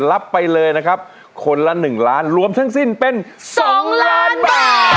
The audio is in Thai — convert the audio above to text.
รับไปเลยนะครับคนละ๑ล้านรวมทั้งสิ้นเป็น๒ล้านบาท